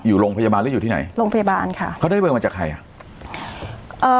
อยู่โรงพยาบาลหรืออยู่ที่ไหนโรงพยาบาลค่ะเขาได้เบอร์มาจากใครอ่ะเอ่อ